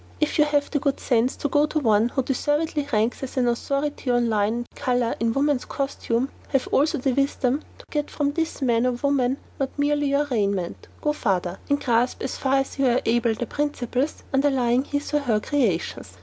If you have the good sense to go to one who deservedly ranks as an authority on line and colour in woman's costume, have also the wisdom to get from this man or woman not merely your raiment; go farther, and grasp as far as you are able the principles underlying his or her creations.